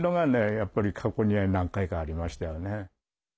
やっぱり過去には何回かありましたよね。